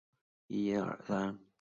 藤原芳秀出身。